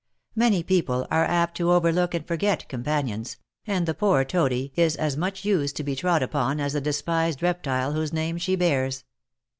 Many people are apt to overlook and forget companions, and the poor toady is as much used to be trod upon as the despised reptile whose name she bears.